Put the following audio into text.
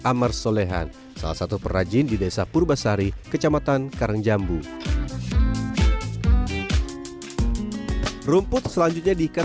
amar solehan salah satu perajin di desa purbasari kecamatan karangjambu rumput selanjutnya diikat